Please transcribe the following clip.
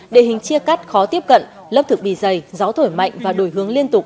đề hình chia cắt khó tiếp cận lớp thực bì dày gió thổi mạnh và đổi hướng liên tục